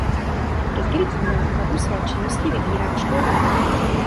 Ke krytí nákladů své činnosti vybírá školné.